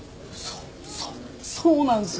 そうそうそうなんすよ。